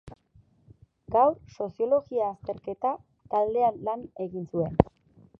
Gaur soziologia azterketa taldean lan egin zuen.